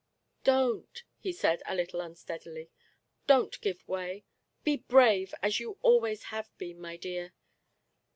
" Don't," he said, a little unsteadily ;" don't give way ; be brave, as you always have been, my dear.